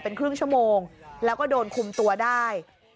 เป็นครึ่งชั่วโมงแล้วก็โดนคุมตัวได้